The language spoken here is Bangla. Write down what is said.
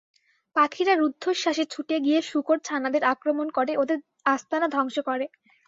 পাখিরা রুদ্ধশ্বাসে ছুটে গিয়ে শূকরছানাদের আক্রমণ করে, ওদের আস্তানা ধ্বংস করে।